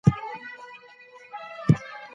اقتصاد هم یو مهم ټولنیز علم دی.